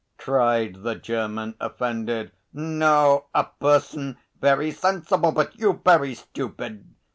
cried the German, offended. "No, a person very sensible, but you very stupid!